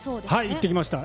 行ってきました。